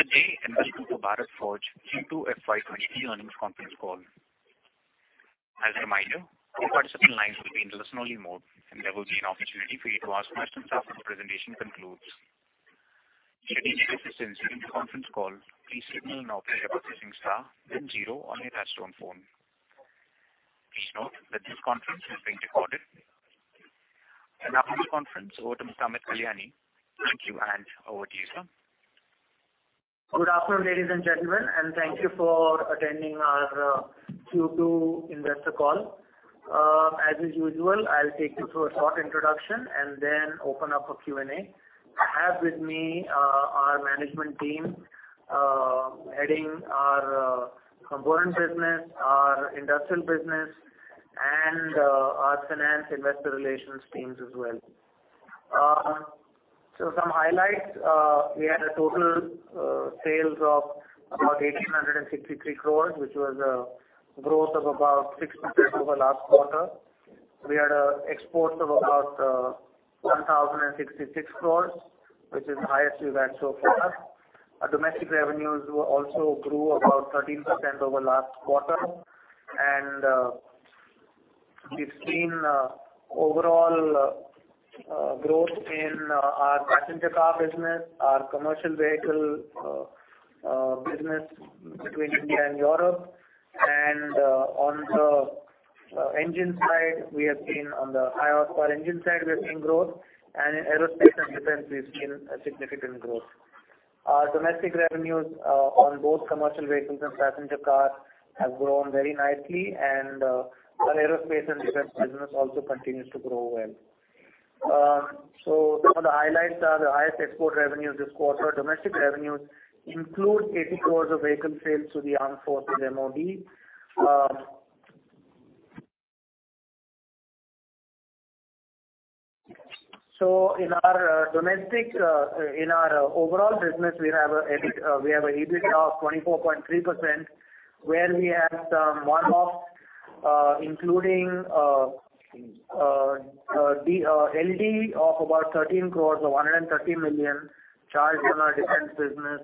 Good day, investors of Bharat Forge Q2 FY 2023 earnings conference call. As a reminder, all participant lines will be in listen only mode, and there will be an opportunity for you to ask questions after the presentation concludes. Should you need assistance during the conference call, please signal an operator by pressing star then zero on your touchtone phone. Please note that this conference is being recorded. Now for the conference, over to Mr. Amit Kalyani. Thank you, and over to you, sir. Good afternoon, ladies and gentlemen, and thank you for attending our Q2 investor call. As is usual, I'll take you through a short introduction and then open up a Q&A. I have with me our management team heading our component business, our industrial business, and our finance investor relations teams as well. Some highlights. We had total sales of about 1,863 crores, which was a growth of about 6% over last quarter. We had exports of about 1,066 crores, which is the highest we've had so far. Our domestic revenues also grew about 13% over last quarter. We've seen overall growth in our passenger car business, our commercial vehicle business between India and Europe. On the engine side, we have seen on the high horsepower engine side, we have seen growth, and in aerospace and defense we've seen a significant growth. Our domestic revenues on both commercial vehicles and passenger cars have grown very nicely, and our aerospace and defense business also continues to grow well. Some of the highlights are the highest export revenues this quarter. Domestic revenues include 80 crores of vehicle sales to the armed forces MOD. In our domestic, in our overall business, we have an EBITDA of 24.3%, where we have some one-offs, including the LD of about 13 crores or 130 million crores charged on our defense business,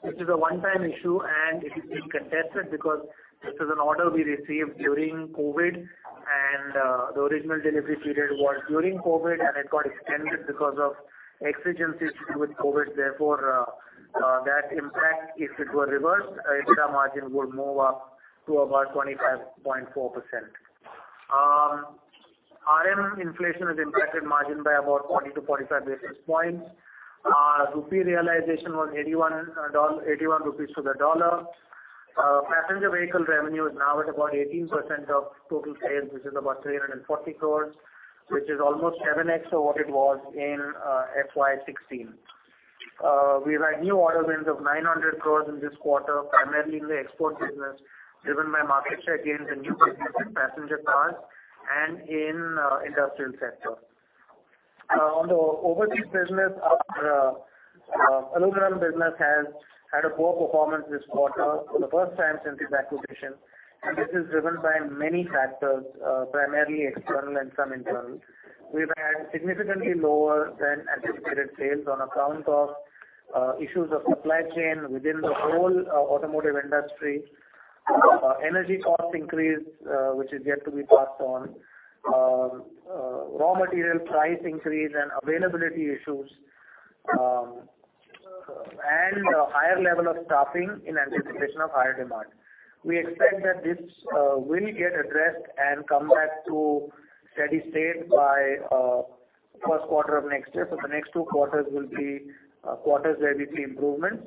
which is a one-time issue, and it is being contested because this is an order we received during COVID. The original delivery period was during COVID, and it got extended because of exigencies with COVID. Therefore, that impact, if it were reversed, EBITDA margin would move up to about 25.4%. RM inflation has impacted margin by about 40 basis points-45 basis points. Rupee realization was 81 rupees to the dollar. Passenger vehicle revenue is now at about 18% of total sales, which is about 340 crores, which is almost 7x of what it was in FY 2016. We write new order wins of 900 crores in this quarter, primarily in the export business, driven by market share gains in new business in passenger cars and in industrial sector. On the overseas business, our aluminum business has had a poor performance this quarter for the first time since its acquisition, and this is driven by many factors, primarily external and some internal. We've had significantly lower than anticipated sales on account of issues of supply chain within the whole automotive industry, energy cost increase, which is yet to be passed on, raw material price increase and availability issues, and a higher level of staffing in anticipation of higher demand. We expect that this will get addressed and come back to steady state by first quarter of next year. The next two quarters will be quarters where we see improvements.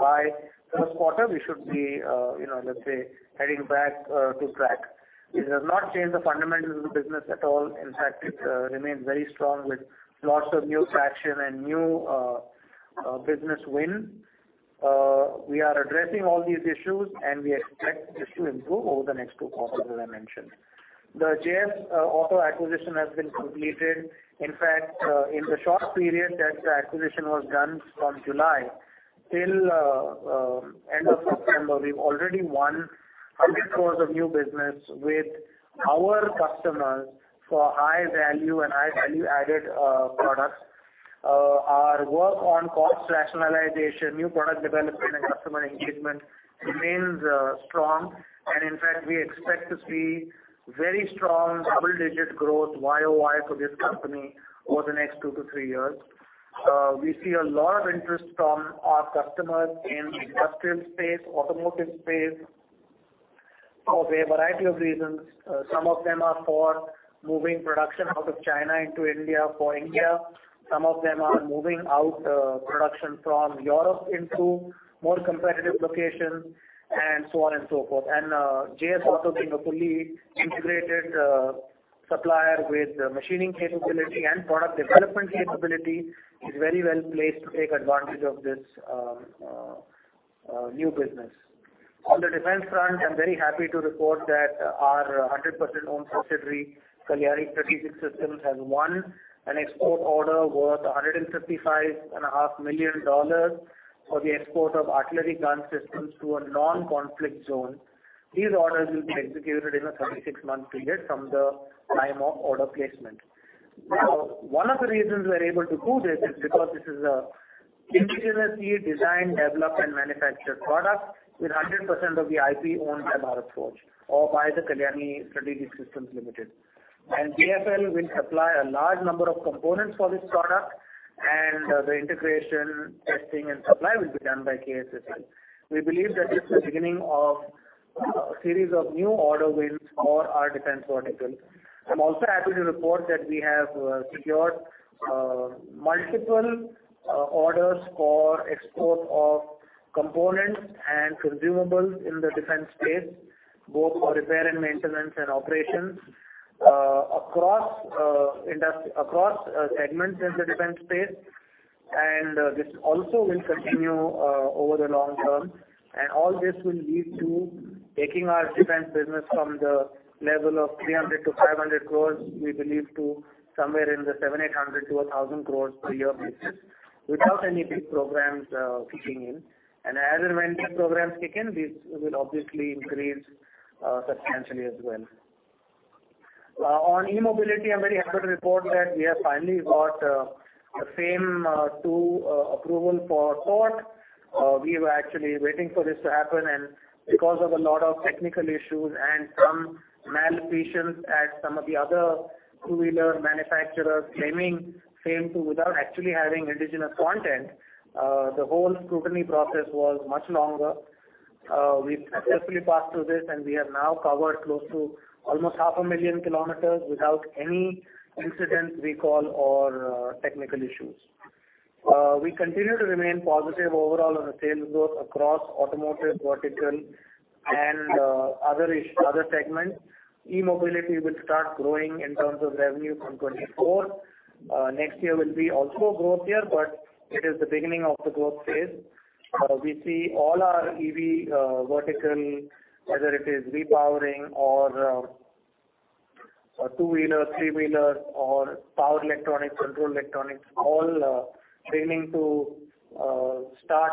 By first quarter, we should be, you know, let's say, heading back to track. It has not changed the fundamentals of the business at all. In fact, it remains very strong with lots of new traction and new business win. We are addressing all these issues, and we expect this to improve over the next two quarters, as I mentioned. The JS Auto acquisition has been completed. In fact, in the short period that the acquisition was done from July till end of September, we've already won 100 crores of new business with our customers for high value and high value-added products. Our work on cost rationalization, new product development and customer engagement remains strong. In fact, we expect to see very strong double-digit growth YOY for this company over the next two to three years. We see a lot of interest from our customers in industrial space, automotive space for a variety of reasons. Some of them are for moving production out of China into India, for India. Some of them are moving out production from Europe into more competitive locations and so on and so forth. JS Auto being a fully integrated supplier with machining capability and product development capability is very well placed to take advantage of this new business. On the defense front, I'm very happy to report that our 100% owned subsidiary, Kalyani Strategic Systems Limited, has won an export order worth $155.5 million for the export of artillery gun systems to a non-conflict zone. These orders will be executed in a 36-month period from the time of order placement. Now, one of the reasons we're able to do this is because this is an indigenously designed, developed, and manufactured product with 100% of the IP owned by Bharat Forge or by the Kalyani Strategic Systems Limited. BFL will supply a large number of components for this product, and the integration, testing and supply will be done by KSSL. We believe that this is the beginning of a series of new order wins for our defense vertical. I'm also happy to report that we have secured multiple orders for export of components and consumables in the defense space, both for repair and maintenance and operations, across segments in the defense space. This also will continue over the long term. All this will lead to taking our defense business from the level of 300 crores- 500 crores, we believe, to somewhere in the 700 crores-1,000 crores per year basis without any big programs kicking in. As and when big programs kick in, this will obviously increase substantially as well. On e-mobility, I'm very happy to report that we have finally got a FAME II approval for Tork. We were actually waiting for this to happen, and because of a lot of technical issues and some malfeasance at some of the other two-wheeler manufacturers claiming FAME II without actually having indigenous content, the whole scrutiny process was much longer. We've successfully passed through this, and we have now covered close to almost half a million kilometers without any incident, recall or technical issues. We continue to remain positive overall on the sales growth across automotive vertical and other segments. E-mobility will start growing in terms of revenue from 2024. Next year will be also a growth year, but it is the beginning of the growth phase. We see all our EV vertical, whether it is repowering or two-wheeler, three-wheeler or power electronics, control electronics, all beginning to start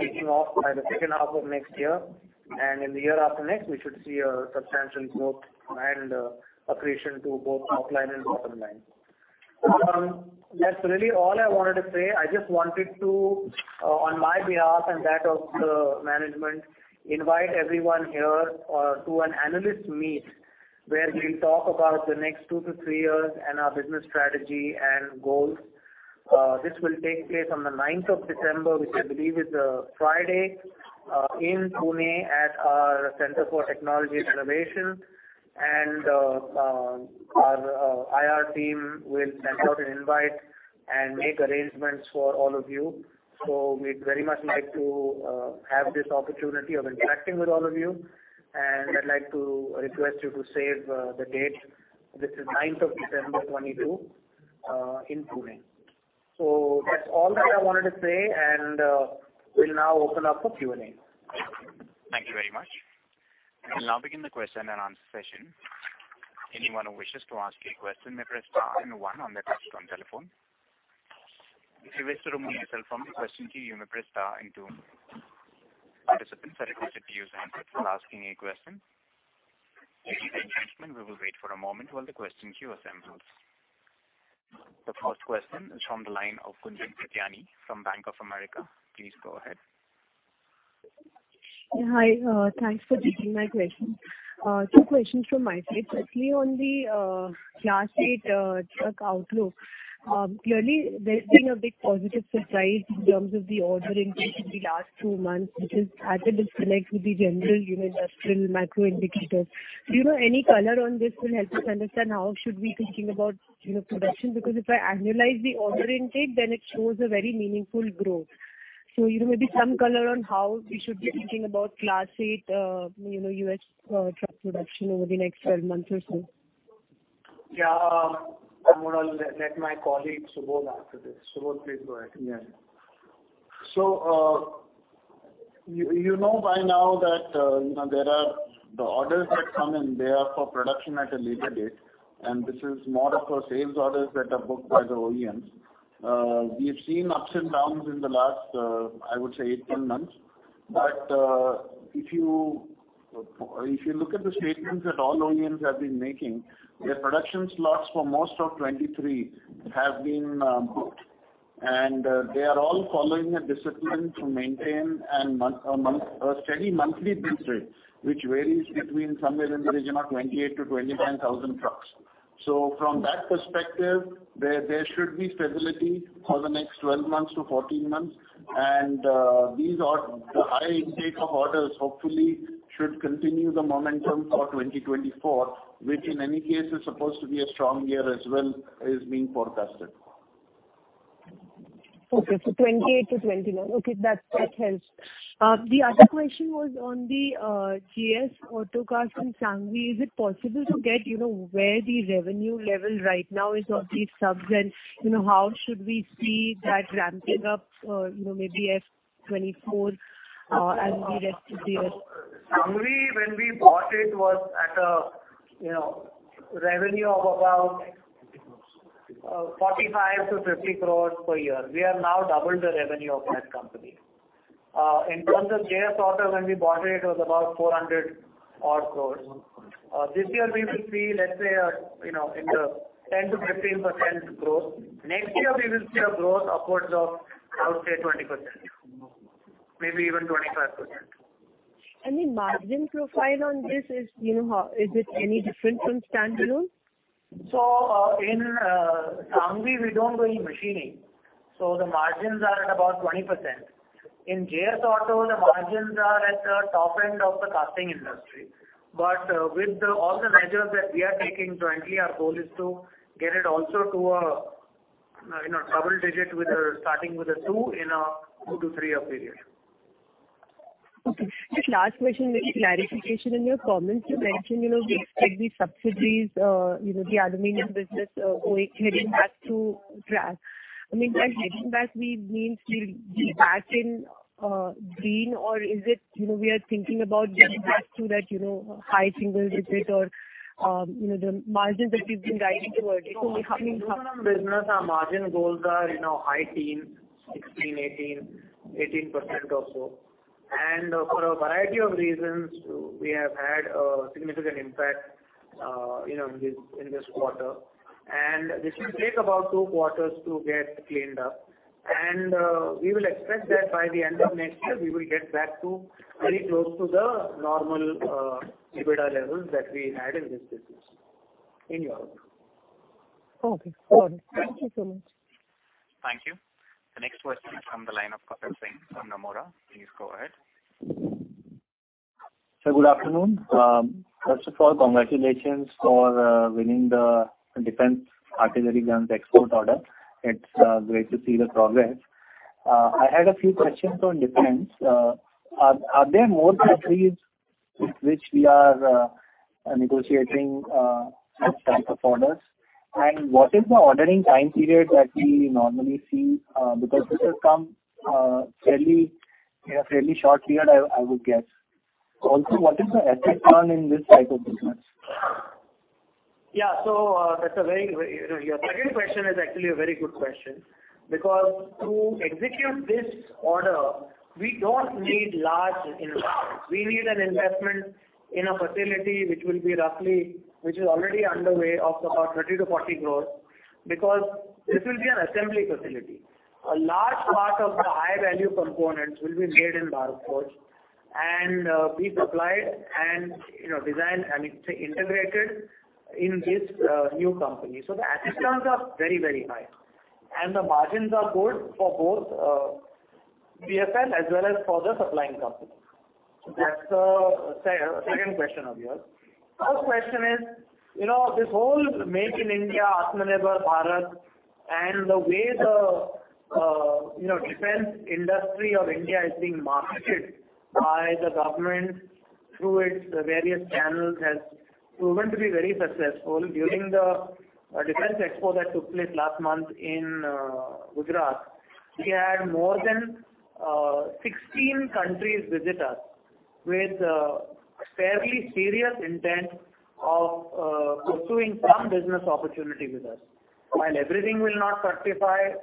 taking off by the second half of next year. In the year after next, we should see a substantial growth and accretion to both top line and bottom line. That's really all I wanted to say. I just wanted to, on my behalf and that of the management, invite everyone here to an analyst meet, where we'll talk about the next two to three years and our business strategy and goals. This will take place on the ninth of December, which I believe is a Friday in Pune at our Center for Technology Innovation. Our IR team will send out an invite and make arrangements for all of you. We'd very much like to have this opportunity of interacting with all of you. I'd like to request you to save the date. This is ninth of December 2022 in Pune. That's all that I wanted to say, and we'll now open up for Q&A. Thank you very much. We'll now begin the question and answer session. Anyone who wishes to ask a question may press star and one on their touch-tone telephone. If you wish to remove yourself from the question queue, you may press star and two. Participants are requested to use hands-free while asking a question. Please bear with me a moment. We will wait for a moment while the question queue assembles. The first question is from the line of Gunjan Prithyani from Bank of America. Please go ahead. Hi, thanks for taking my question. Two questions from my side. Firstly, on the Class 8 truck outlook, clearly there's been a big positive surprise in terms of the order intake in the last two months, which is at a disconnect with the general, you know, industrial macro indicators. Do you have any color on this will help us understand how we should be thinking about, you know, production? Because if I annualize the order intake, then it shows a very meaningful growth. You know, maybe some color on how we should be thinking about Class 8, you know, U.S. truck production over the next 12 months or so. Yeah. I'm gonna let my colleague Subodh answer this. Subodh, please go ahead. Yeah. You know by now that you know, there are the orders that come in, they are for production at a later date, and this is more of a sales orders that are booked by the OEMs. We have seen ups and downs in the last, I would say 18 months. If you look at the statements that all OEMs have been making, their production slots for most of 2023 have been booked. They are all following a discipline to maintain a steady monthly build rate, which varies between somewhere in the region of 28,000-29,000 trucks. From that perspective, there should be stability for the next 12 months-14 months. These are the high intake of orders hopefully should continue the momentum for 2024, which in any case is supposed to be a strong year as well, is being forecasted. Okay. 28-29. Okay, that helps. The other question was on the JS Auto Cast and Sanghvi. Is it possible to get, you know, where the revenue level right now is of these subs? You know, how should we see that ramping up, you know, maybe at 2024, as we get to the- Sanghvi, when we bought it, was at a you know revenue of about 45-50 crore per year. We have now doubled the revenue of that company. In terms of JS Auto, when we bought it was about 400-odd crore. This year we will see, let's say, you know, 10%-15% growth. Next year, we will see a growth upwards of, I would say, 20%. Maybe even 25%. The margin profile on this is, you know, is it any different from standalone? In Sanghvi, we don't do any machining, so the margins are at about 20%. In JS Auto, the margins are at the top end of the casting industry. With all the measures that we are taking jointly, our goal is to get it also to a, you know, double-digit starting with a 2 in a 2-3-year period. Okay. Just last question, maybe clarification. In your comments, you mentioned, you know, the maybe subsidies, you know, the aluminum business heading back on track. I mean, by heading back, we mean we'll be back in green or is it, you know, we are thinking about getting back to that, you know, high single digit or, you know, the margin that we've been guiding towards. I mean how- No, aluminum business, our margin goals are, you know, high teens, 16%, 18% or so. For a variety of reasons, we have had a significant impact, you know, in this quarter. This will take about two quarters to get cleaned up. We will expect that by the end of next year, we will get back to very close to the normal EBITDA levels that we had in this business in Europe. Okay. All right. Thank you so much. Thank you. The next question is from the line of Kapil Singh from Nomura. Please go ahead. Sir, good afternoon. First of all, congratulations for winning the defense artillery guns export order. It's great to see the progress. I had a few questions on defense. Are there more countries with which we are negotiating this type of orders? What is the ordering time period that we normally see? Because this has come fairly in a fairly short period, I would guess. Also, what is the asset turn in this type of business? Yeah. That's a very very you know, your second question is actually a very good question. Because to execute this order, we don't need large investments. We need an investment in a facility which will be roughly which is already underway of about 30 crores- 40 crores because this will be an assembly facility. A large part of the high value components will be made in Baramati and be supplied and you know, designed, I mean, say, integrated in this new company. The asset turns are very very high. And the margins are good for both BFL as well as for the supplying company. That's the second question of yours. First question is, you know, this whole Make in India, Atmanirbhar Bharat and the way the defense industry of India is being marketed by the government through its various channels has proven to be very successful. During the defense expo that took place last month in Gujarat, we had more than 16 countries visit us with fairly serious intent of pursuing some business opportunity with us. While everything will not certify,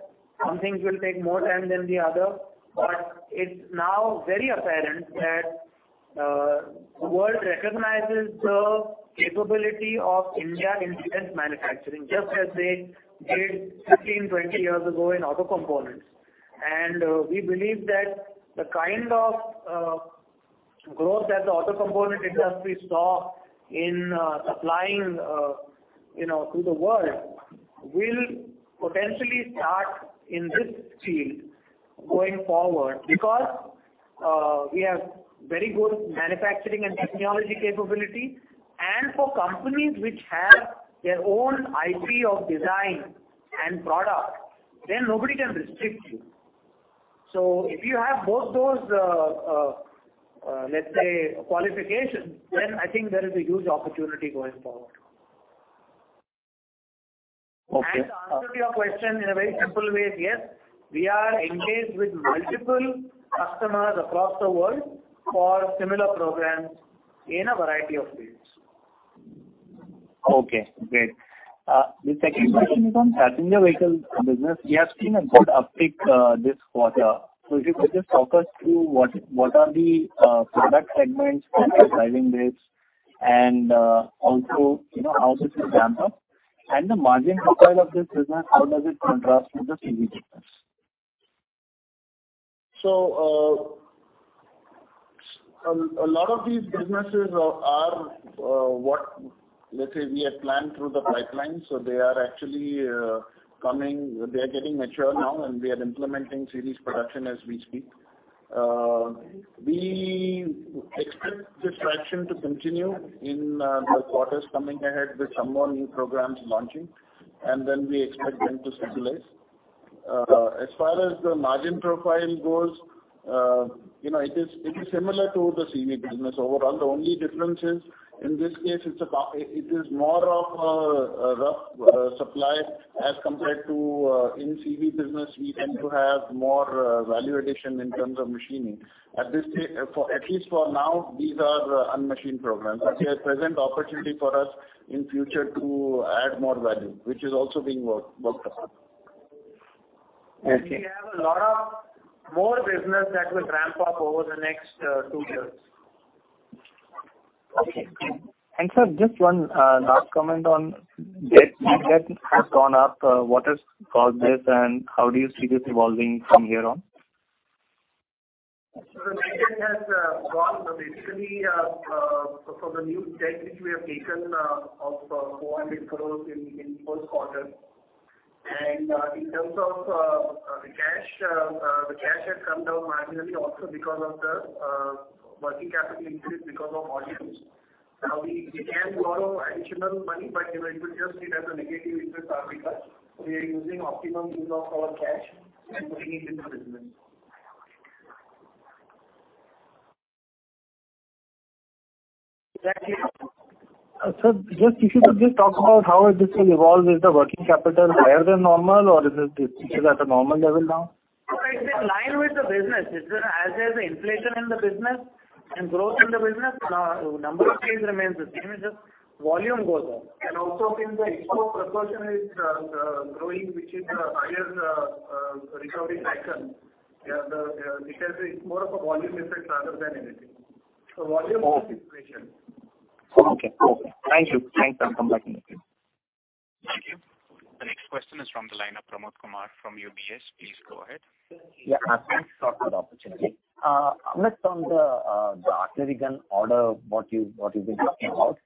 some things will take more time than the other. But it's now very apparent that the world recognizes the capability of India in defense manufacturing, just as they did 15 years, 20 years ago in auto components. We believe that the kind of growth that the auto component industry saw in supplying, you know, to the world will potentially start in this field going forward. Because we have very good manufacturing and technology capability. For companies which have their own IP of design and product, then nobody can restrict you. If you have both those, let's say qualifications, then I think there is a huge opportunity going forward. Okay. To answer your question in a very simple way, yes, we are engaged with multiple customers across the world for similar programs in a variety of fields. Okay, great. The second question is on passenger vehicle business. We have seen a good uptick this quarter. If you could just talk us through what are the product segments that are driving this and also, you know, how this will ramp up? The margin profile of this business, how does it contrast with the CV business? A lot of these businesses are, let's say, we have planned through the pipeline, so they are actually coming. They are getting mature now, and we are implementing series production as we speak. We expect this traction to continue in the quarters coming ahead with some more new programs launching, and then we expect them to stabilize. As far as the margin profile goes, you know, it is similar to the CV business overall. The only difference is, in this case, it is more of a rough supply as compared to in CV business we tend to have more value addition in terms of machining. At least for now, these are unmachined programs that they present opportunity for us in future to add more value, which is also being worked upon. Okay. We have a lot of more business that will ramp up over the next two years. Okay, great. Sir, just one last comment on debt. Your debt has gone up. What has caused this, and how do you see this evolving from here on? The net debt has gone basically for the new debt which we have taken of 400 crores in first quarter. In terms of the cash, the cash has come down marginally also because of the working capital increase because of volumes. Now, we can borrow additional money, but you know, you could just see it as a negative interest accrual. We are using optimum use of our cash and putting it into the business. Is that clear? Just if you could just talk about how this will evolve. Is the working capital higher than normal or is it at a normal level now? No, it's in line with the business. It's as there's inflation in the business and growth in the business, number of changes remains the same, it's just volume goes up. Also since the export proportion is growing, which is higher recovery cycle, this has more of a volume effect rather than anything. Volume plus inflation. Okay. Thank you. Thanks, sir. I'll come back in a few. Thank you. The next question is from the line of Pramod Kumar from UBS. Please go ahead. Yeah. Thanks for the opportunity. Amit, on the artillery gun order, what you've been talking about.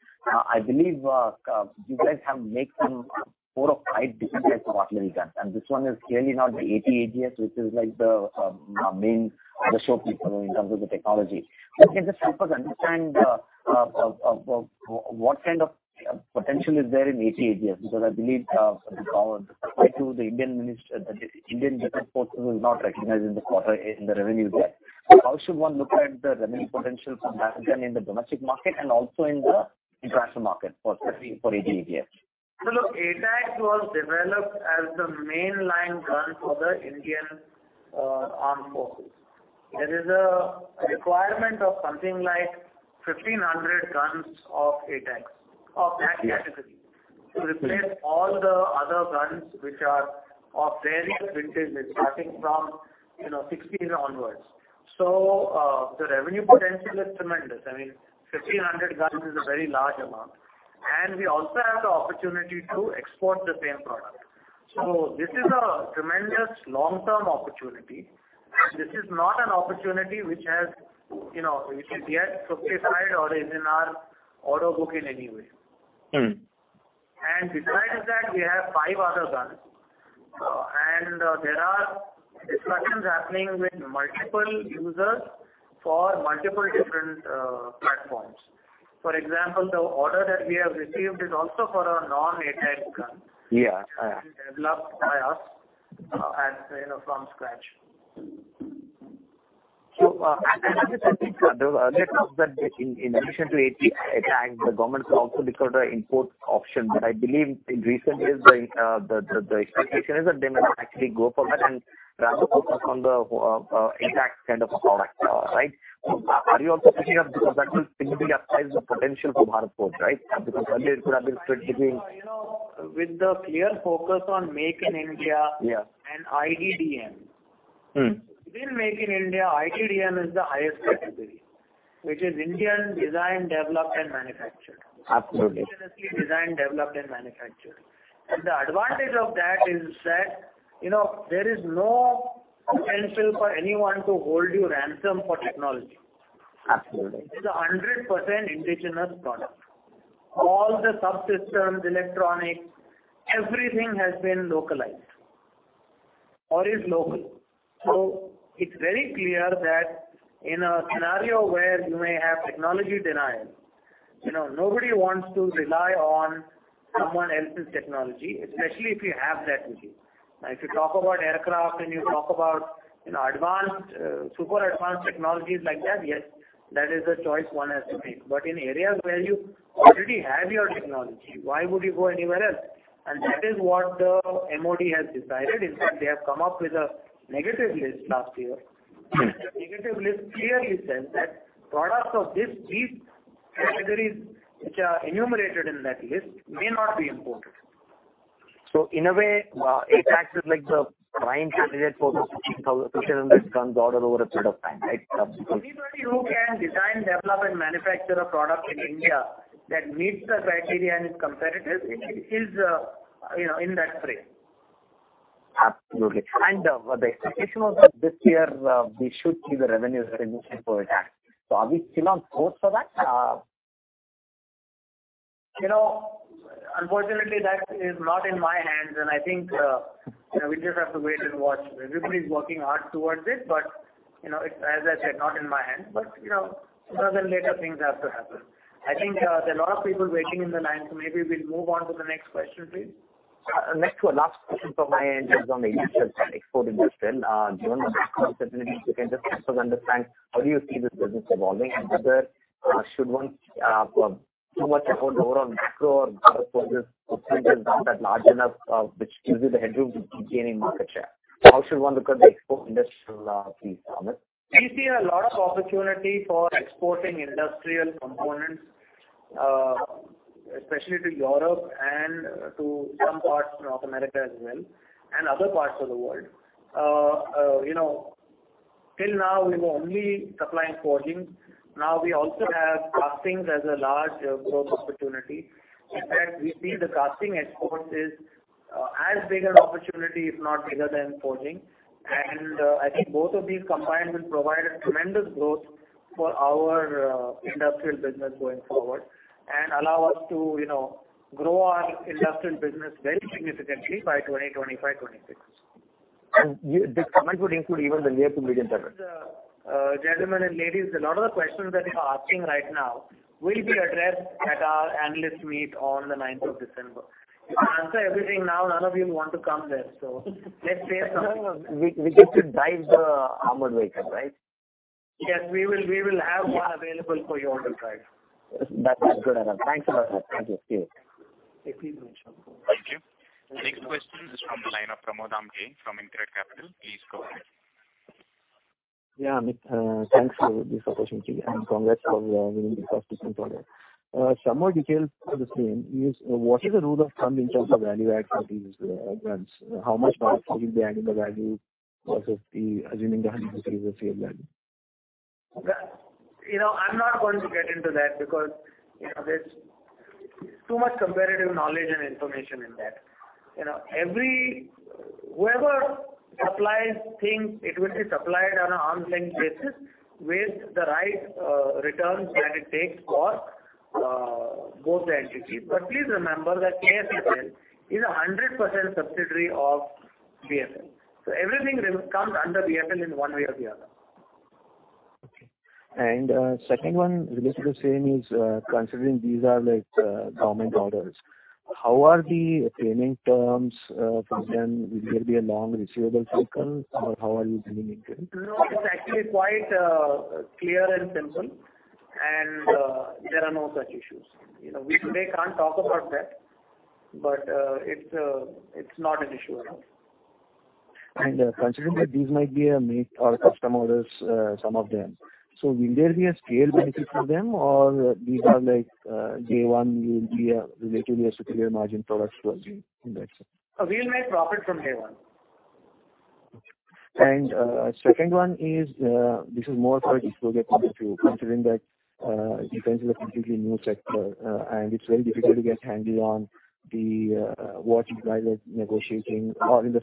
I believe you guys have made some 4 or 5 different types of artillery guns, and this one is clearly not the ATAGS, which is like the main the showpiece in terms of the technology. If you can just help us understand of what kind of potential is there in ATAGS? Because I believe probably through the Indian the Indian Defense Forces is not recognized in the quarter, in the revenue there. How should one look at the revenue potential for Bharat Forge in the domestic market and also in the international market for ATAGS? Look, ATAGS was developed as the mainline gun for the Indian armed forces. There is a requirement of something like 1,500 guns of ATAGS, of that category, to replace all the other guns which are of various vintages, starting from, you know, sixties onwards. The revenue potential is tremendous. I mean, 1,500 guns is a very large amount, and we also have the opportunity to export the same product. This is a tremendous long-term opportunity. This is not an opportunity which has, you know, which is yet subsidized or is in our order book in any way. Besides that, we have five other guns. There are discussions happening with multiple users for multiple different platforms. For example, the order that we have received is also for a non-ATAGS gun. Yeah, yeah. -which is developed by us, as you know, from scratch. I have a second follow-up. There was a rumor that in addition to ATAGS, the government has also considered an import option. I believe in recent years the expectation is that they may not actually go for that and rather focus on the ATAGS kind of a product, right? Are you also pushing up because that will significantly upsize the potential for Bharat Forge, right? Because earlier it could have been split between. You know, with the clear focus on Make in India. Yeah. IDDM. Mm-hmm. Within Make in India, IDDM is the highest category, which is Indian designed, developed and manufactured. Absolutely. Indigenously designed, developed and manufactured. The advantage of that is that, you know, there is no potential for anyone to hold you ransom for technology. Absolutely. It's 100% indigenous product. All the subsystems, electronics, everything has been localized or is local. It's very clear that in a scenario where you may have technology denial, you know, nobody wants to rely on someone else's technology, especially if you have that with you. Now, if you talk about aircraft and you talk about, you know, advanced, super advanced technologies like that, yes, that is a choice one has to make. In areas where you already have your technology, why would you go anywhere else? That is what the MOD has decided. In fact, they have come up with a negative list last year. The negative list clearly says that products of this, these categories which are enumerated in that list may not be imported. In a way, ATAGS is like the prime candidate for the 1,500 guns order over a period of time, right? Anybody who can design, develop and manufacture a product in India that meets the criteria and is competitive is, you know, in that frame. Absolutely. The expectation was that this year, we should see the revenue recognition for ATAGS. Are we still on course for that? You know, unfortunately, that is not in my hands. I think, you know, we just have to wait and watch. Everybody is working hard towards it, but you know, it's, as I said, not in my hands. You know, sooner than later things have to happen. I think, there are a lot of people waiting in the line, so maybe we'll move on to the next question, please. Next one, last question from my end is on the export industrial. Given the macro uncertainties, if you can just help us understand how do you see this business evolving and whether one should worry too much about the overall macro or Bharat Forge's footprint is not that large enough, which gives you the headroom to keep gaining market share? How should one look at the export industrial piece, Amit? We see a lot of opportunity for exporting industrial components, especially to Europe and to some parts North America as well, and other parts of the world. You know, till now, we were only supplying forgings. Now we also have castings as a large growth opportunity. In fact, we see the casting exports is as big an opportunity, if not bigger than forging. I think both of these combined will provide a tremendous growth for our industrial business going forward and allow us to, you know, grow our industrial business very significantly by 2025, 2026. This comment would include even the near-term million ton order? Gentlemen and ladies, a lot of the questions that you're asking right now will be addressed at our analyst meet on the ninth of December. If I answer everything now, none of you will want to come there. Let's save some No, no. We get to drive the armored vehicle, right? Yes, we will have one available for you all to drive. That's good. Thanks a lot. Thank you. See you. Take care. Thank you. Next question is from the line of Pramod Amthe from InCred Capital. Please go ahead. Yeah, Amit, thanks for this opportunity and congrats for winning the first defense order. Some more details for the same is what is the rule of thumb in terms of value add for these guns? How much roughly will be adding the value versus the assuming the 100% share value? You know, I'm not going to get into that because, you know, there's too much competitive knowledge and information in that. You know, whoever supplies things, it will be supplied on an arm's length basis with the right returns that it takes for both the entities. Please remember that KSSL is 100% subsidiary of BFL. Everything will come under BFL in one way or the other. Okay. Second one related to the same is, considering these are like, government orders, how are the payment terms for them? Will there be a long receivable cycle or how are you dealing with them? No, it's actually quite clear and simple, and there are no such issues. You know, we today can't talk about that, but it's not an issue at all. Considering that these might be a make or custom orders, some of them, so will there be a scale benefit from them or these are like, day one will be a relatively a superior margin products for you in that sense? We'll make profit from day one. Second one is, this is more for disclosure point of view, considering that defense is a completely new sector and it's very difficult to get a handle on what you guys are negotiating or in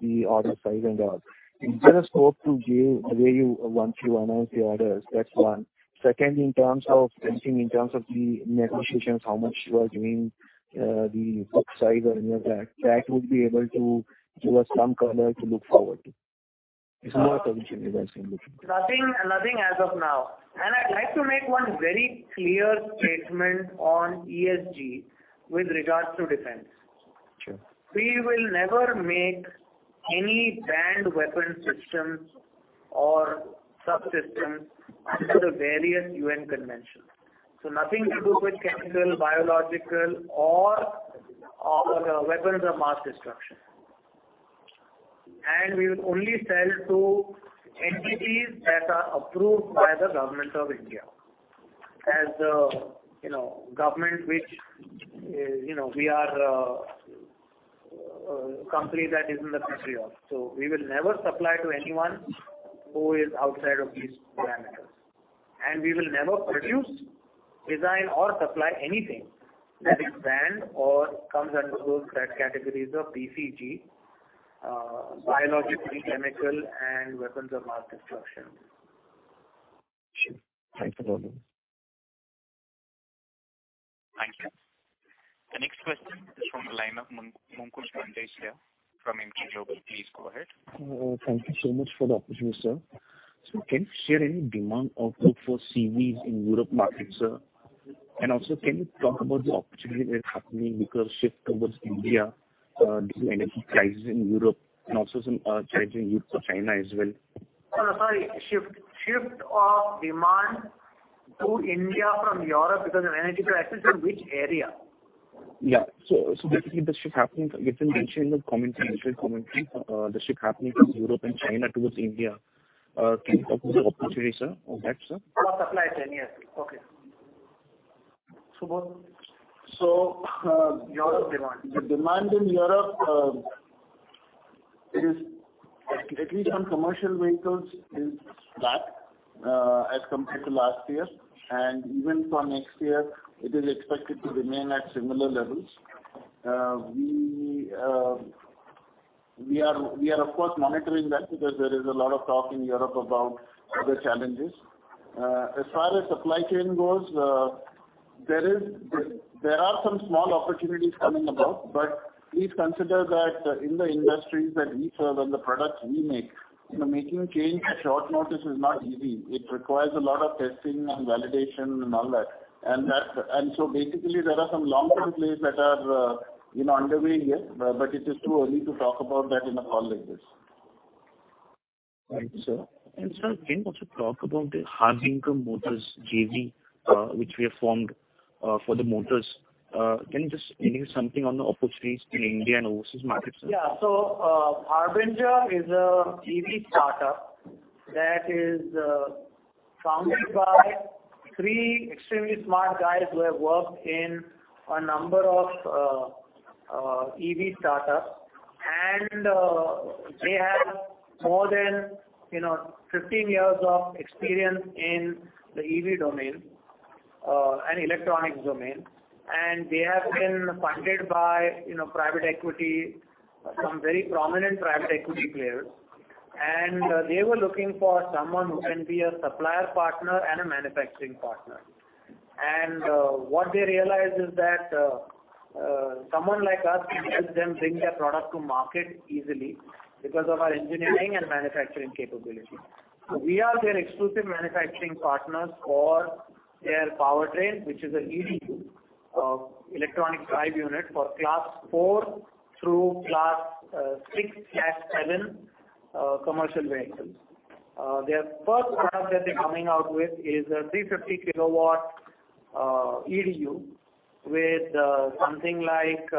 the order size and all. Is there a scope to give once you announce the orders? That's one. Second, in terms of testing, in terms of the negotiations, how much you are giving the book size or any of that would be able to give us some color to look forward to. It's more from disclosure perspective. Nothing as of now. I'd like to make one very clear statement on ESG with regards to defense. Sure. We will never make any banned weapon systems or subsystems as per the various UN conventions. Nothing to do with chemical, biological or weapons of mass destruction. We will only sell to entities that are approved by the Government of India. As a company that is in the good graces of the government. We will never supply to anyone who is outside of these parameters. We will never produce, design or supply anything that is banned or comes under those categories of BCD, biological, chemical and weapons of mass destruction. Sure. Thanks a lot. Thank you. The next question is from the line of Mumuksh Mandlesha from JM Financial. Please go ahead. Thank you so much for the opportunity, sir. Can you share any demand outlook for CVs in Europe market, sir? Also, can you talk about the opportunity that's happening because shift towards India, due to energy crisis in Europe and also some changing needs for China as well? Oh, sorry. Shift of demand to India from Europe because of energy crisis in which area? Basically the shift happening, it's been mentioned in the commentary, initial commentary. The shift happening from Europe and China towards India. Can you talk about the opportunity, sir, of that, sir? Of supply chain? Yes. Okay. Subodh? So, uh- Europe demand. The demand in Europe is at least on commercial vehicles back as compared to last year. Even for next year it is expected to remain at similar levels. We are of course monitoring that because there is a lot of talk in Europe about the challenges. As far as supply chain goes, there are some small opportunities coming about, but please consider that in the industries that we serve and the products we make, you know, making change at short notice is not easy. It requires a lot of testing and validation and all that. So basically there are some longer plays that are, you know, underway here. It is too early to talk about that in a call like this. Right, sir. Sir, can you also talk about the Harbinger Motors JV, which we have formed, for the motors? Can you just give me something on the opportunities in India and overseas markets? Yeah. Harbinger is an EV startup that is founded by three extremely smart guys who have worked in a number of EV startups. They have more than, you know, 15 years of experience in the EV domain and electronic domain. They have been funded by, you know, private equity, some very prominent private equity players. They were looking for someone who can be a supplier partner and a manufacturing partner. What they realized is that someone like us can help them bring their product to market easily because of our engineering and manufacturing capability. We are their exclusive manufacturing partners for their powertrain, which is the EDU, electronic drive unit for Class 4 through Class 6/7 commercial vehicles. Their first product that they're coming out with is a 350 KW EDU with something like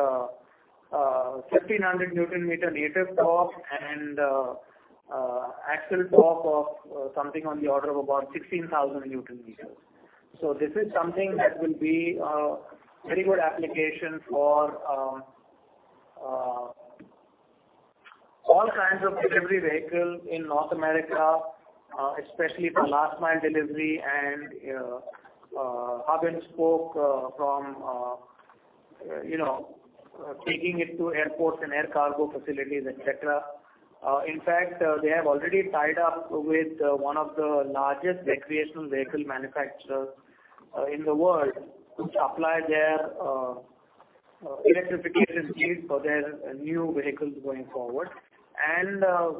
1,500 Newton-meter native torque and actual torque of something on the order of about 16,000 Newton-meters. This is something that will be a very good application for all kinds of delivery vehicles in North America, especially for last mile delivery and hub-and-spoke, from you know, taking it to airports and air cargo facilities, et cetera. In fact, they have already tied up with one of the largest recreational vehicle manufacturers in the world to apply their electrification needs for their new vehicles going forward.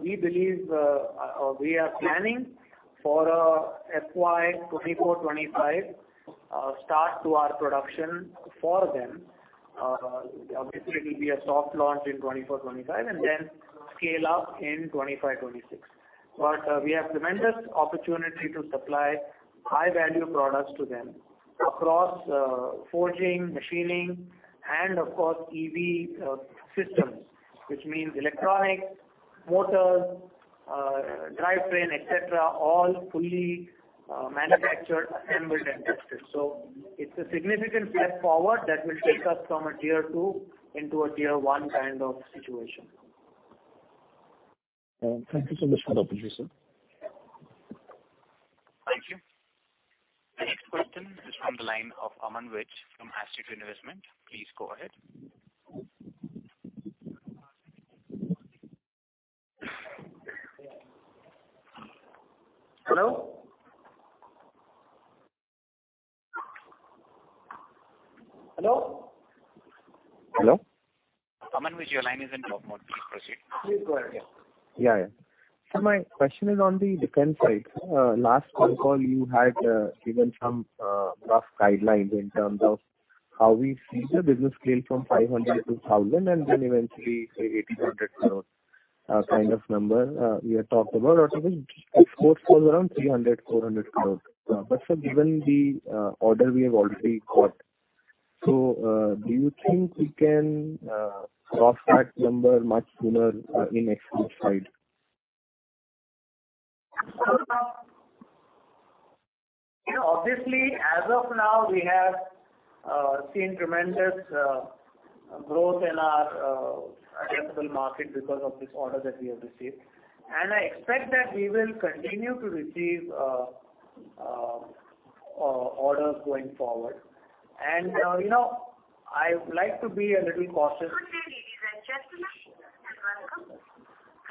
We believe we are planning for a FY 2024/2025 start to our production for them. Obviously it will be a soft launch in 2024/2025 and then scale up in 2025/2026. We have tremendous opportunity to supply high value products to them across forging, machining and of course EV systems, which means electronics, motors, drivetrain, et cetera, all fully manufactured, assembled and tested. It's a significant step forward that will take us from a tier two into a tier one kind of situation. Thank you so much for the opportunity, sir. Thank you. The next question is from the line of Aman Vij from Astute Investment. Please go ahead. Hello? Hello? Hello? Aman Vij, your line is in talk mode. Please proceed. Please go ahead, yeah. My question is on the defense side. Last call you had given some rough guideline in terms of how we see the business scale from 500 crores-1,000 crores, and then eventually 1,800 crores kind of number we had talked about. Even export for around 300 crores-400 crore. Sir, given the order we have already got. Do you think we can cross that number much sooner in export side? You know, obviously as of now, we have seen tremendous growth in our addressable market because of this order that we have received. I expect that we will continue to receive orders going forward. You know, I would like to be a little cautious. Good day, ladies and gentlemen, and welcome.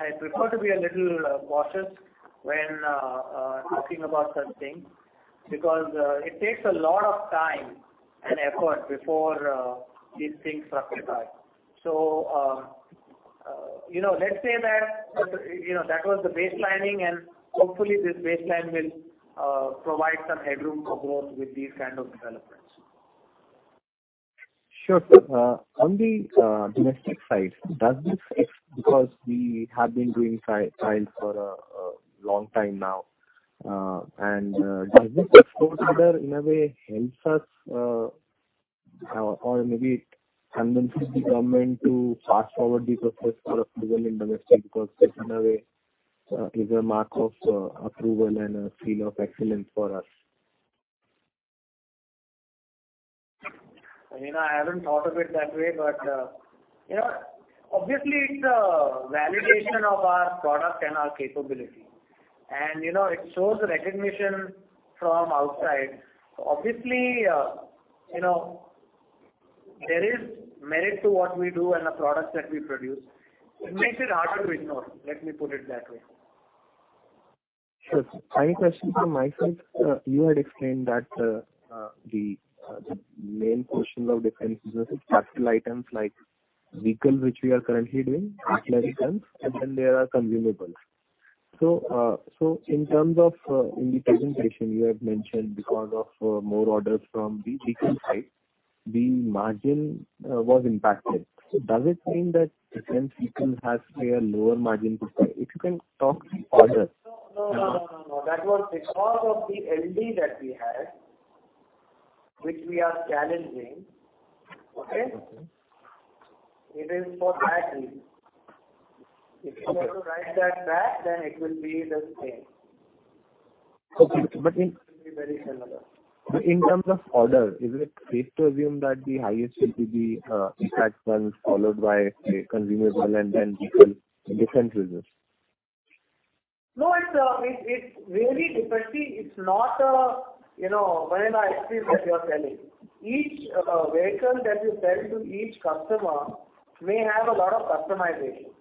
I prefer to be a little cautious when talking about such things because it takes a lot of time and effort before these things are realized. You know, let's say that, you know, that was the baselining and hopefully this baseline will provide some headroom for growth with these kind of developments. Sure, sir. On the domestic side, because we have been doing trials for a long time now, does this export order in a way helps us or maybe convinces the government to fast-forward the process for approval in domestic because that in a way is a mark of approval and a seal of excellence for us? You know, I haven't thought of it that way, but, you know, obviously it's a validation of our product and our capability. You know, it shows recognition from outside. Obviously, you know, there is merit to what we do and the products that we produce. It makes it harder to ignore, let me put it that way. Sure, sir. Final question from my side. You had explained that the main portion of defense business is capital items like vehicle, which we are currently doing, artillery guns, and then there are consumables. In the presentation you have mentioned because of more orders from the vehicle side, the margin was impacted. Does it mean that defense business has a lower margin potential? If you can talk further. No. That was because of the LD that we had which we are challenging. Okay? Okay. It is for that reason. Okay. If you want to ride that back, then it will be the same. Okay. It will be very similar. In terms of order, is it safe to assume that the highest will be impact funds followed by the consumable and then defense business? No, it's really different. It's not a, you know, Maruti's S-Presso that you are selling. Each vehicle that you sell to each customer may have a lot of customization.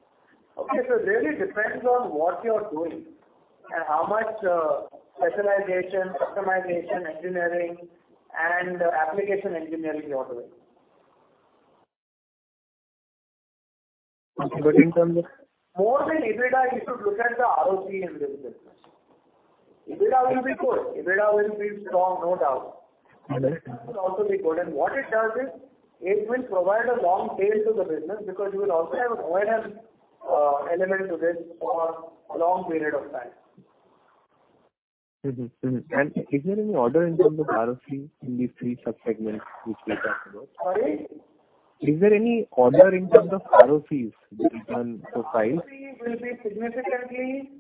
Okay? It really depends on what you are doing and how much specialization, customization, engineering and application engineering you are doing. Okay. In terms of- More than EBITDA, you should look at the ROC in this business. EBITDA will be good. EBITDA will be strong, no doubt. Okay. This will also be good. What it does is, it will provide a long tail to the business because you will also have an owner, element to this for a long period of time. Mm-hmm. Mm-hmm. Is there any order in terms of ROC in these three sub-segments which we talked about? Sorry. Is there any order in terms of ROCs, the return profiles? ROC will be significantly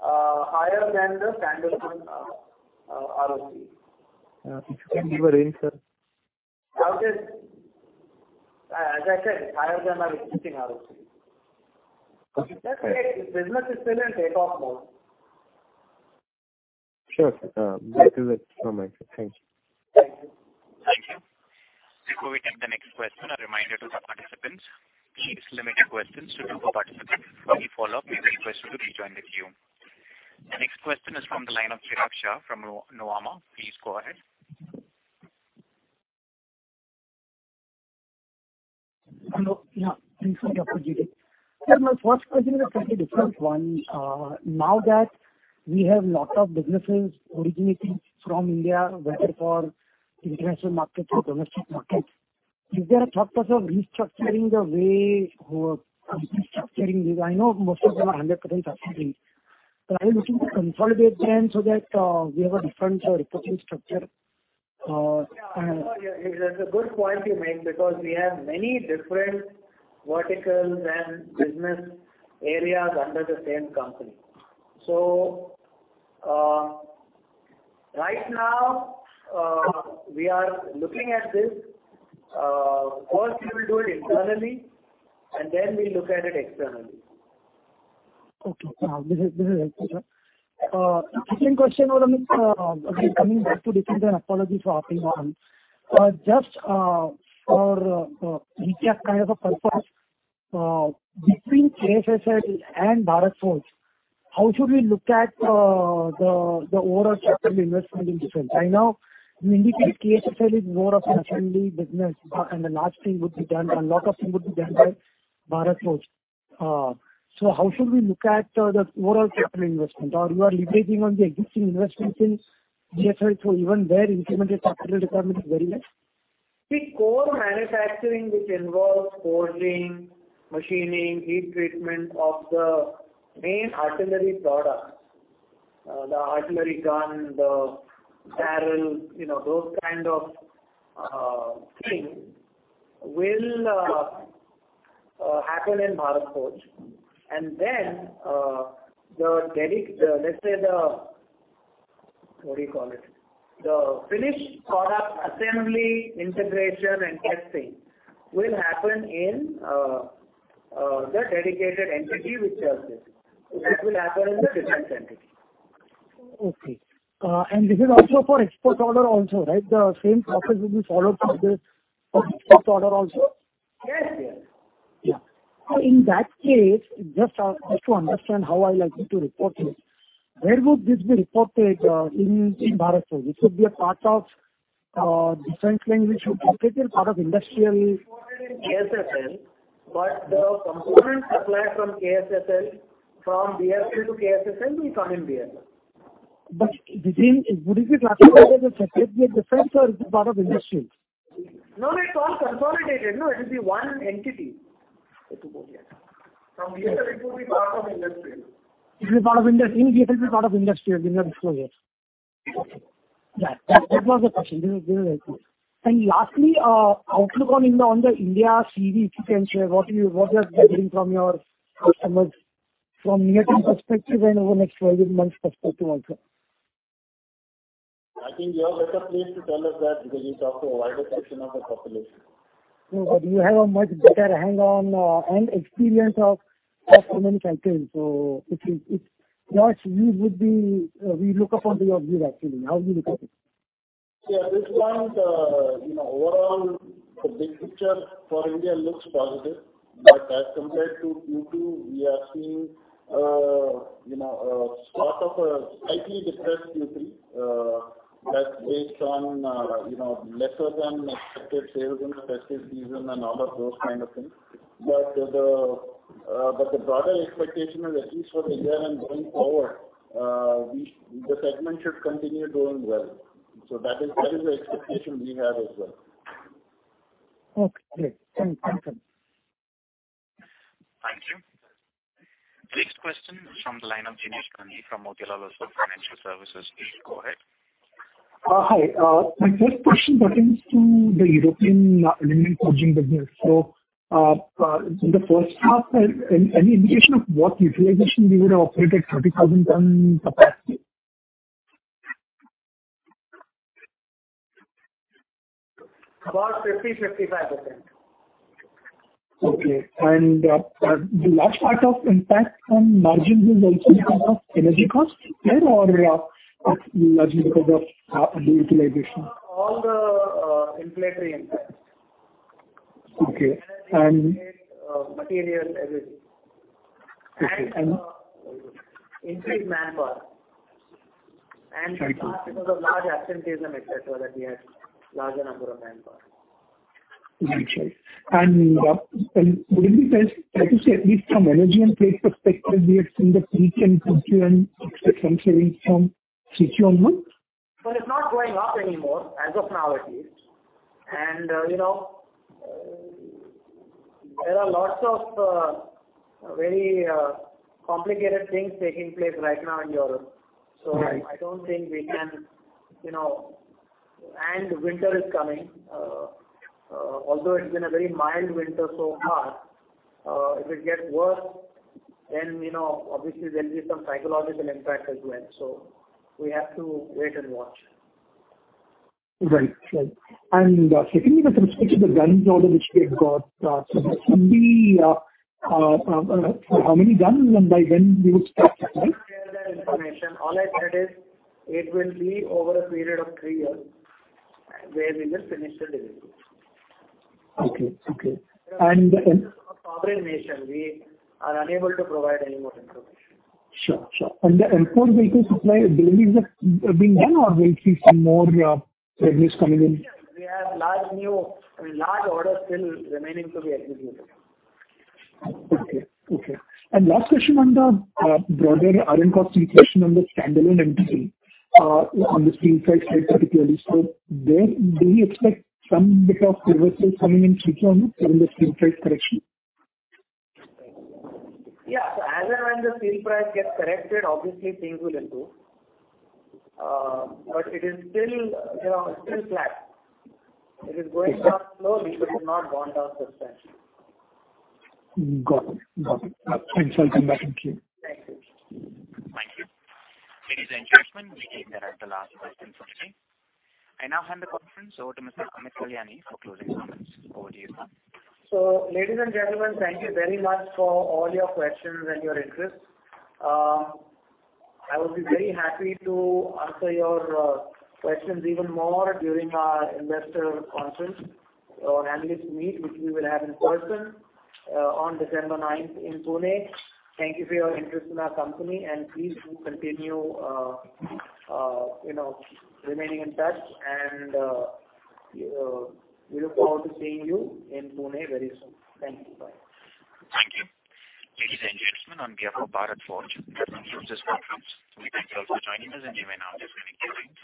higher than the standard ROC. If you can give a range, sir. As I said, higher than our existing ROC. Okay. Business is still in take-off mode. Sure, sir. That is it from my side. Thank you. Thank you. Thank you. Before we take the next question, a reminder to the participants, please limit your questions to two per participant. For any follow-up, you may request to rejoin the queue. The next question is from the line of Chirag Shah from Nuvama. Please go ahead. Hello. Yeah. Good morning, Amit Kalyani. Sir, my first question is a slightly different one. Now that we have lot of businesses originating from India, whether for international markets or domestic markets, is there a thought process of restructuring the way or restructuring this? I know most of them are 100% subsidiaries. Are you looking to consolidate them so that we have a different reporting structure? Yeah. It's a good point you make because we have many different verticals and business areas under the same company. Right now, we are looking at this. First we will do it internally, and then we look at it externally. Okay. This is helpful, sir. Second question would have been again coming back to defense. Apologies for hopping on. Just kind of a purpose, between KSSL and Bharat Forge, how should we look at the overall capital investment in defense? I know you indicate KSSL is more of an assembly business, and the large thing would be done, a lot of things would be done by Bharat Forge. How should we look at the overall capital investment? You are leveraging on the existing investment in GSL, so even their incremental capital requirement is very less. The core manufacturing which involves forging, machining, heat treatment of the main artillery products, the artillery gun, the barrel, you know, those kind of things will happen in Bharat Forge. Then, let's say, what do you call it, the finished product assembly, integration and testing will happen in the dedicated entity which serves this. This will happen in the different entity. Okay. This is also for export order also, right? The same process will be followed for the export order also. Yes, yes. Yeah. In that case, just to understand how I like it to report this, where would this be reported in Bharat Forge? It could be a part of defense standalone, part of industrial. Reported in KSSL, but the components supplied from KSSL, from BFL to KSSL, we count in BFL. Between, would it be classified as a separate defense or is it part of industry? No, it's all consolidated. No, it will be one entity. Okay. Got it. From BFL, it will be part of industry. It will be part of industry. BFL will be part of industry in our disclosures. Yes. Okay. That was the question. This is helpful. Lastly, outlook on the India capex, if you can share what you are gathering from your customers from near-term perspective and over next 12 months perspective also. I think you are better placed to tell us that because you talk to a wider section of the population. No, but you have a much better handle on, and experience of so many campaigns. It is. It's large. We look up to your view actually. How do you look at it? Yeah, at this point, you know, overall the big picture for India looks positive, but as compared to Q2, we are seeing, you know, a sort of a slightly depressed Q3, that's based on, you know, lesser than expected sales in the festive season and all of those kind of things. But the broader expectation is at least for the year and going forward, the segment should continue doing well. That is the expectation we have as well. Okay. Thank you. Line of Jinesh Gandhi from Motilal Oswal Financial Services. Please go ahead. Hi. My first question pertains to the European aluminum forging business. In the first half, any indication of what utilization you would have operated 30,000-ton capacity? About 50%-55%. Okay. The large part of impact on margin is also because of energy costs there or largely because of the utilization? All the inflationary impact. Okay. Energy, materials, everything. Okay. increased manpower. Thank you. Because of large absenteeism, et cetera, that we had larger number of manpower. Got you. Would it be fair to say at least from energy and trade perspective, we have seen the peak and could you expect some savings from Q1? Well, it's not going up anymore as of now at least. You know, there are lots of very complicated things taking place right now in Europe. Right. I don't think we can, you know. Winter is coming. Although it's been a very mild winter so far, if it gets worse then, you know, obviously there'll be some psychological impact as well. We have to wait and watch. Right. Right. Secondly with respect to the guns order which we have got, so that would be, how many guns and by when we would start selling? I cannot share that information. All I said is it will be over a period of three years where we will finish the delivery. Okay. For sovereign nation, we are unable to provide any more information. Sure. The Air Force vehicle supply chain is being done or we'll see some more revenues coming in? We have, I mean, large orders still remaining to be executed. Last question on the broader Aruncos situation on the standalone entity, on the steel price side particularly. There, do you expect some bit of reversal coming in Q1 from the steel price correction? Yeah. As and when the steel price gets corrected, obviously things will improve. It is still, you know, still flat. It is going up slow because we've not wound down substantially. Got it. Thanks. I'll come back. Thank you. Thank you. Thank you. Ladies and gentlemen, we think that was the last question for today. I now hand the conference over to Mr. Amit Kalyani for closing comments. Over to you, sir. Ladies and gentlemen, thank you very much for all your questions and your interest. I would be very happy to answer your questions even more during our investor conference or analyst meet, which we will have in person on December ninth in Pune. Thank you for your interest in our company and please do continue you know remaining in touch and we look forward to seeing you in Pune very soon. Thank you. Bye. Thank you. Ladies and gentlemen, on behalf of Bharat Forge Limited and Prabhudas Lilladher, we thank you all for joining us and we may now disconnect your lines.